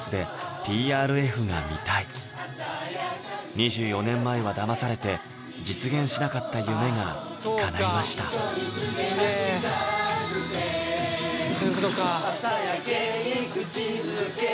２４年前はだまされて実現しなかった夢がかないました「朝焼けにくちづけてる」